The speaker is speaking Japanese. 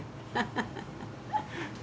ハハハ。